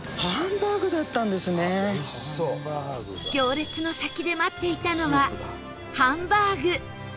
行列の先で待っていたのはハンバーグ